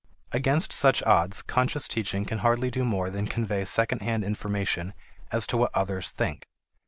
Against such odds, conscious teaching can hardly do more than convey second hand information as to what others think.